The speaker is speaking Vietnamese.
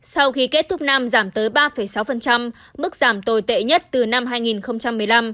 sau khi kết thúc năm giảm tới ba sáu mức giảm tồi tệ nhất từ năm hai nghìn một mươi năm